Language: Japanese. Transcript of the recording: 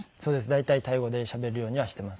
大体タイ語でしゃべるようにはしています。